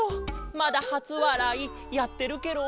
まだはつわらいやってるケロ？